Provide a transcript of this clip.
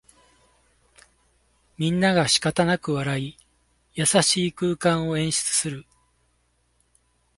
みんながしかたなく笑い、優しい空間を演出する